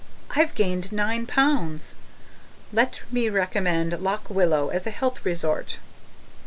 I've gained nine pounds! Let me recommend Lock Willow as a health resort.